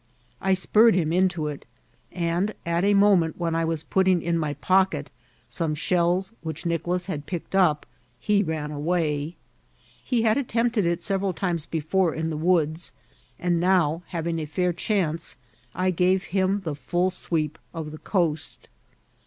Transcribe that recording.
I qmrred him into it, and at a mo* ment when I was putting in my po<^et some shells which Nicolas had picked up, he ran away. He had attempted it several times before in the woods; and now, having a fair chance, I gave him the frill sweep of the coast.